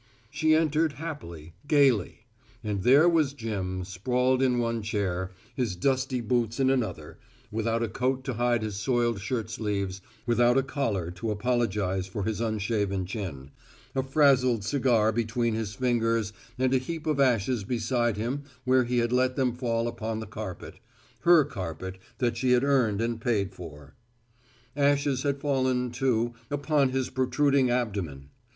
She entered happily, gaily. And there was Jim sprawled in one chair, his dusty boots in another, without a coat to hide his soiled shirt sleeves, without a collar to apologize for his unshaven chin, a frazzled cigar between his fingers and a heap of ashes beside him where he had let them fall upon the carpet her carpet that she had earned and paid for. Ashes had fallen, too, upon his protruding abdomen.